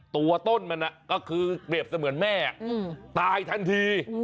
ตัวต้นมันก็จะเก็บเสมือนแม่ตายทันที